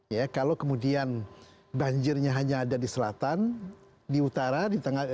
ya kalau kemudian banjirnya hanya ada di selatan di utara di tengah